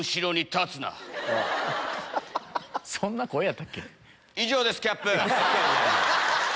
そんな声やったっけ？